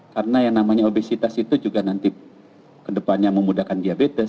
karena yang namanya obesitas itu juga nanti kedepannya memudahkan diabetes